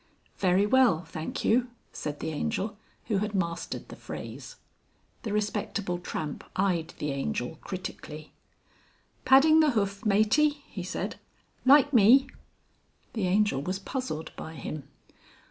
"Very well, thank you," said the Angel, who had mastered the phrase. The Respectable Tramp eyed the Angel critically. "Padding the Hoof, matey?" he said. "Like me." The Angel was puzzled by him.